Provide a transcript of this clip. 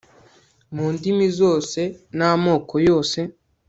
mu ndimi zose namoko yose